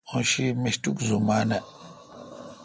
اں شی مشٹوک زُمان اے°۔